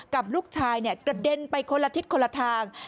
กับลูกชายกระเด็นไปคนละทิศคนละทาง